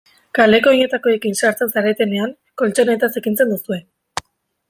Kaleko oinetakoekin sartzen zaretenean koltxoneta zikintzen duzue.